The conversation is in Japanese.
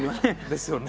ですよね。